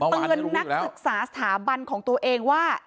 นักศึกษาสถาบันของตัวเองว่า